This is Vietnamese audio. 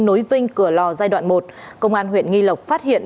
nối vinh cửa lò giai đoạn một công an huyện nghi lộc phát hiện